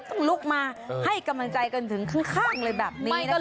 ต้องลุกมาให้กำลังใจกันถึงข้างเลยแบบนี้นะคะ